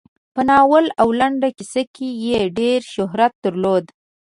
په ناول او لنډه کیسه کې یې ډېر شهرت درلود.